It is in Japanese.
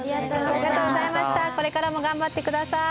これからも頑張って下さい。